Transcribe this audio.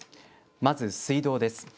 まず水道です。